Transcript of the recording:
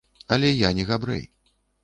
Але я не габрэй.